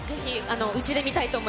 おうちで？